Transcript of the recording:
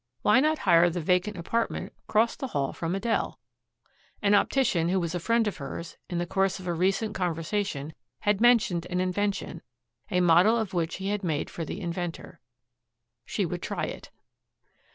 Why not hire the vacant apartment cross the hall from Adele? An optician, who was a friend of hers, in the course of a recent conversation had mentioned an invention, a model of which he had made for the inventor. She would try it.